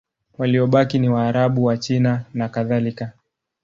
Waliobaki ni Waarabu, Wachina nakadhalika.